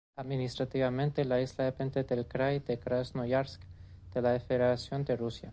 Administrativamente, la isla depende del Krai de Krasnoyarsk de la Federación de Rusia.